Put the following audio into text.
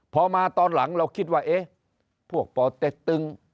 พอมาตอนหลังเราคิดว่าพวกปเต๊กตึ้ง